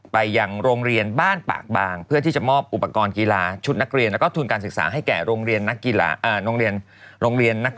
ไปยังโรงเรียนบ้านปากบางเพื่อที่จะมอบอุปกรณ์กีฬาชุดนักเรียนแล้วก็ทุนการศึกษาให้แก่โรงเรียนนักกีฬาโรงเรียน